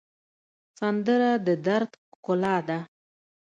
سندره د دَرد ښکلا ده